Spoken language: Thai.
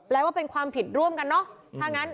แปลว่าเป็นความผิดร่วมกันเนอะ